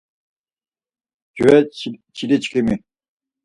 Mcve çiliçkimi.